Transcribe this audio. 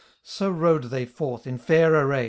So rode they forth in fair array.